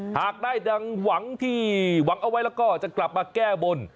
หากได้ดังหวังที่หวังเอาไว้แล้วก็จะกลับมาแก้บน